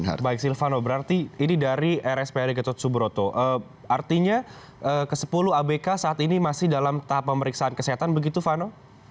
baik silvano berarti ini dari rspad gatot subroto artinya ke sepuluh abk saat ini masih dalam tahap pemeriksaan kesehatan begitu vano